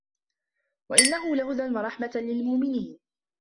وَإِنَّهُ لَهُدًى وَرَحمَةٌ لِلمُؤمِنينَ